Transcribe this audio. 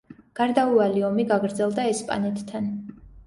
გარდაუვალი ომი გაგრძელდა ესპანეთთან.